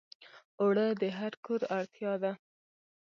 اوړه د هر کور اړتیا ده